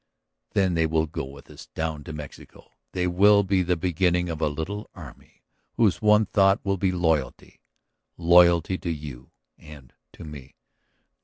Then they will go with us down into Mexico; they will be the beginning of a little army whose one thought will be loyalty ... loyalty to you and to me."